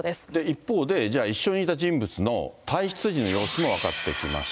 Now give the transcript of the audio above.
一方で、じゃあ、一緒にいた人物の退室時の様子も分かってきました。